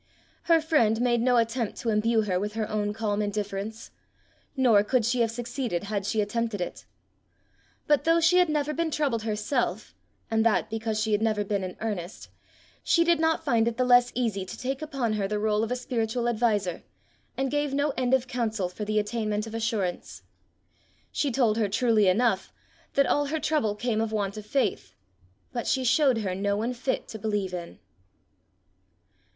Her friend made no attempt to imbue her with her own calm indifference, nor could she have succeeded had she attempted it. But though she had never been troubled herself, and that because she had never been in earnest, she did not find it the less easy to take upon her the rôle of a spiritual adviser, and gave no end of counsel for the attainment of assurance. She told her truly enough that all her trouble came of want of faith; but she showed her no one fit to believe in.